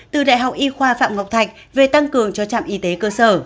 từ đại học y khoa phạm ngọc thạch về tăng cường cho trạm y tế cơ sở